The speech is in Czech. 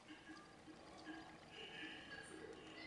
Další předmětem v anglickém jazyce je "workshop".